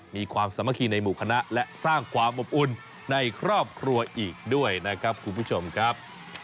มีความสามัคคีในหมู่คณะและสร้างความอบอุ่นในครอบครัวอีกด้วยนะครับคุณผู้ชมครับ